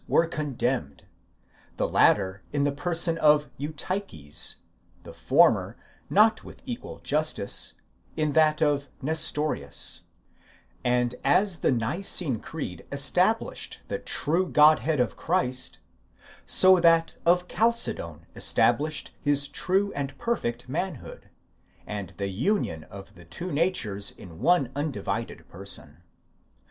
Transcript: were condemned, the latter in the person of Eutyches, the former, not with equal justice, in that of Nestorius; and as the Nicene creed established the true Godhead of Christ, so that of Chalcedon established his true and perfect manhood, and the union of the two natures in one undivided person.